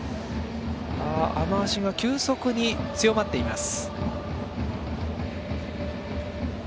雨足が急速に強まっています。